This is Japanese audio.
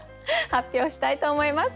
発表したいと思います。